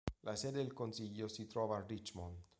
La sede del consiglio si trova a Richmond.